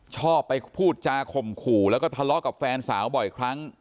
ชอบไปพูดจาข่มขู่แล้วก็ทะเลาะกับแฟนสาวบ่อยครั้ง